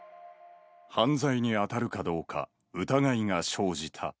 犯罪に当たるかどうか、疑いが生じた。